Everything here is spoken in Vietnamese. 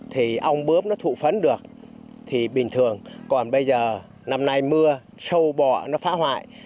thì ong bướm nó thụ phấn được thì bình thường còn bây giờ năm nay mưa sâu bọ nó phá hoại